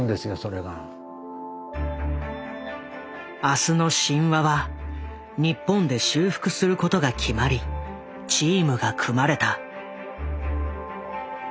「明日の神話」は日本で修復することが決まりチームが組まれた。